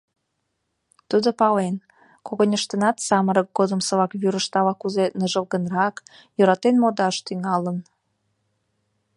Тудо пален, когыньыштынат самырык годымсылак вӱрышт ала-кузе ныжылгынрак, йӧратен модаш тӱҥалын.